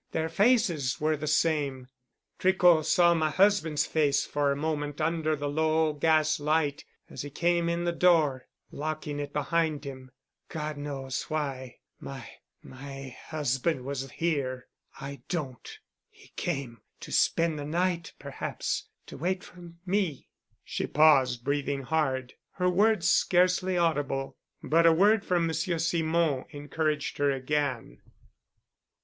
Their faces were the same. Tricot saw my husband's face for a moment under the low gas light as he came in the door, locking it behind him. God knows why my—my husband was here. I don't. He came to spend the night perhaps—to wait for me." She paused, breathing hard, her words scarcely audible. But a word from Monsieur Simon encouraged her again.